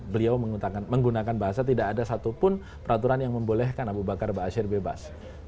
beliau menggunakan bahasa tidak ada satupun peraturan yang membolehkan abu bakar ba'asyir bebas